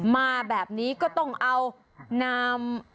มาแบบนี้ก็ต้องเอานาม